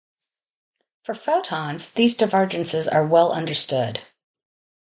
For photons, these divergences are well understood.